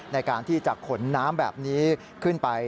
ในการที่จะขนน้ำแบบนี้ขึ้นไป